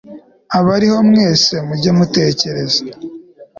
abariho mwese mujye mutekereza